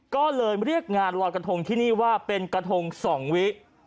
ก็เลยเรียกงานลอยกระทงที่นี่ว่าเป็นกระทง๒วิ